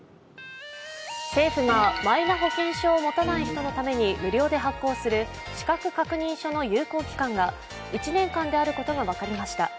政府がマイナ保険証を持たない人のために無料で発行する資格確認書の有効期間が１年間であることが分かりました。